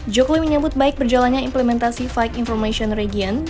jokowi menyambut baik berjalannya implementasi lima information region